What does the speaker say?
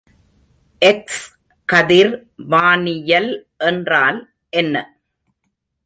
எக்ஸ்.கதிர் வானியல் என்றால் என்ன?